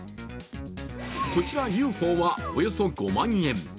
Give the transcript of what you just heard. こちら、ＵＦＯはおよそ５万円。